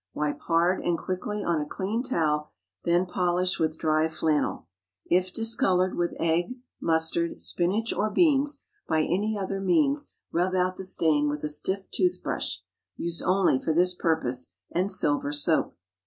Wipe hard and quickly on a clean towel; then polish with dry flannel. If discolored with egg, mustard, spinach, or beans, by any other means, rub out the stain with a stiff toothbrush (used only for this purpose), and silver soap.